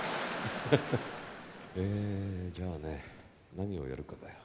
えじゃあね何をやるかだよ。